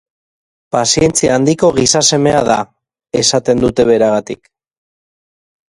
Pazientzia handiko gizasemea da!, esaten dute beragatik.